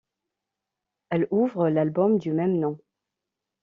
Elle ouvre l’album du même nom.